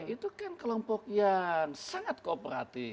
itu kan kelompok yang sangat kooperatif